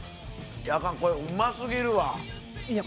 アカンこれうますぎるわ。